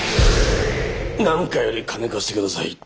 なんかより金貸してください。